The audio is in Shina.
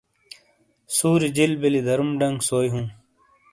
سُوری جیل بیلی درم ڈنگ سوئیی ہوں ۔